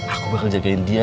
aku bakal jagain dia